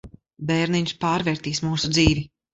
Bērniņš pārvērtīs mūsu dzīvi.